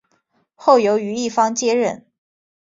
后由于一方接任。